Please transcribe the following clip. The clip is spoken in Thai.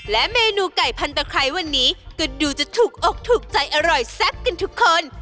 และเมนูไก่พันตะไคร้วันนี้ก็ดูจะถูกอกถูกใจอร่อยแซ่บกันทุกคน